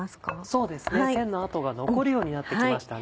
そうですね線のあとが残るようになってきましたね。